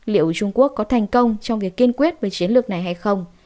liệu trung quốc có thành công trong việc kiên quyết với chiến lược này hay không